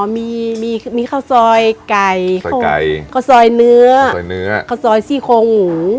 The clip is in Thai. อ๋อมีข้าวซอยไก่ซอยไก่ข้าวซอยเนื้อข้าวซอยเนื้อ